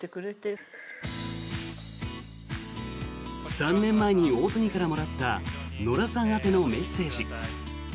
３年前に大谷からもらったノラさん宛てのメッセージ。